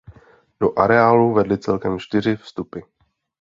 Do areálu vedly celkem čtyři vstupy.